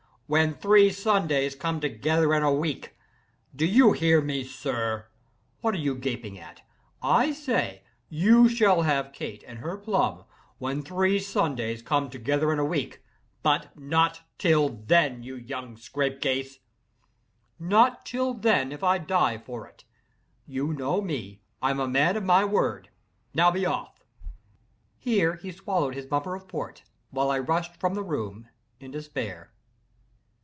—when three Sundays come together in a week! Do you hear me, sir! What are you gaping at? I say, you shall have Kate and her plum when three Sundays come together in a week—but not till then—you young scapegrace—not till then, if I die for it. You know me—I'm a man of my word—now be off!" Here he swallowed his bumper of port, while I rushed from the room in despair.